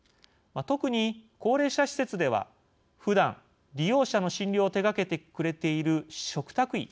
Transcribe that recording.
特に、高齢者施設ではふだん、利用者の診療を手がけてくれている嘱託医。